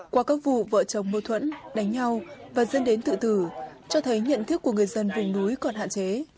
qua các vụ vợ chồng mâu thuẫn đánh nhau và dân đến tự tử cho thấy nhận thức của người dân vùng núi còn hạn chế